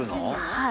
はい。